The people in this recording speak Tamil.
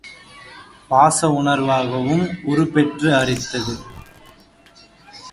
பாசவுணர்வாகவும் உருப்பெற்று அரித்தது.